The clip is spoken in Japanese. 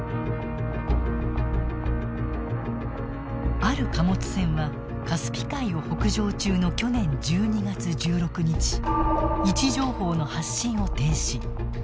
ある貨物船はカスピ海を北上中の去年１２月１６日位置情報の発信を停止。